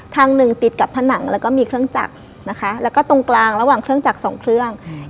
ทางหนึ่งติดกับผนังแล้วก็มีเครื่องจักรนะคะแล้วก็ตรงกลางระหว่างเครื่องจักรสองเครื่องอืม